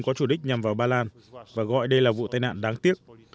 có chủ đích nhằm vào ba lan và gọi đây là vụ tai nạn đáng tiếc